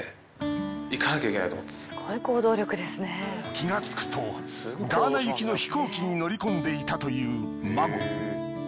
気がつくとガーナ行きの飛行機に乗り込んでいたというＭＡＧＯ。